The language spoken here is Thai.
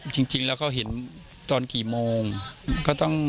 จริงแล้วเขาเห็นตอนกี่โมง